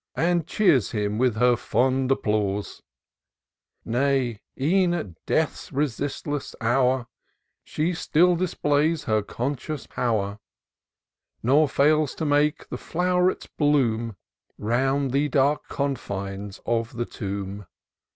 And cheers him with her fond applause : Nay, e'en at death's resistless hour, She still displays her conscious pow'r ; Nor fails to make the flow'rets bloom Round the dark confines of the tomb.